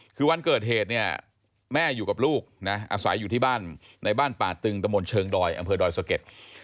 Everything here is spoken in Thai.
คือวันเกิดเหตุเนี่ยแม่อยู่กับลูกนะอาศัยอยู่ที่บ้านในบ้านป่าตึงตะมนต์เชิงดอยอำเภอดอยสะเก็ด